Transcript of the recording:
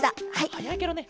はやいケロね。